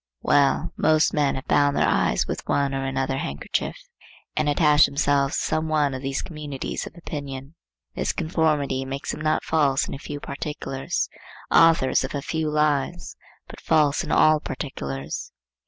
Well, most men have bound their eyes with one or another handkerchief, and attached themselves to some one of these communities of opinion. This conformity makes them not false in a few particulars, authors of a few lies, but false in all particulars.